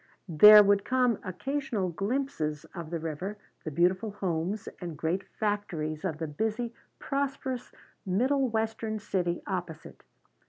There would come occasional glimpses of the river, the beautiful homes and great factories of the busy, prosperous, middle western city opposite.